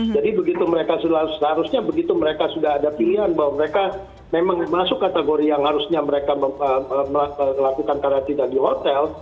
begitu mereka seharusnya begitu mereka sudah ada pilihan bahwa mereka memang masuk kategori yang harusnya mereka melakukan karantina di hotel